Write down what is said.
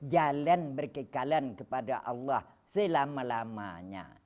jalan berkekalan kepada allah selama lamanya